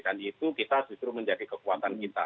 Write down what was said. dan itu kita justru menjadi kekuatan kita